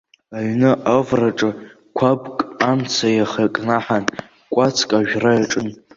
Аҩны авараҿы қәабк амца иахакнаҳан, кәацк ажәра иаҿын.